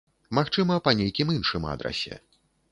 Магчыма, па нейкім іншым адрасе.